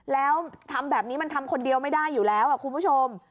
แล้วทำแบบนี้มันทำคนเดียวไม่ได้อยู่แล้วคุณผู้ชม